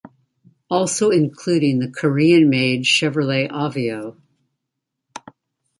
Also including the Korean made Chevrolet Aveo.